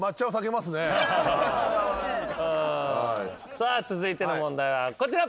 さあ続いての問題はこちら。